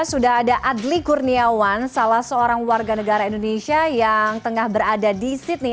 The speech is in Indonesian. sudah ada adli kurniawan salah seorang warga negara indonesia yang tengah berada di sydney